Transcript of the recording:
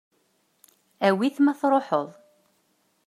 Awi-t ma tṛuḥeḍ.